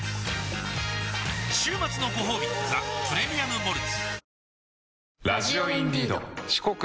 週末のごほうび「ザ・プレミアム・モルツ」